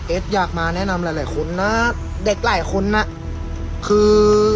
อยากมาแนะนำหลายหลายคนนะเด็กหลายคนน่ะคือ